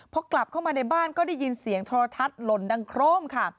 พอกลับเข้ามาในบ้านก็ได้ยินเสียงโทรทัศน์หล่นดังโครมค่ะ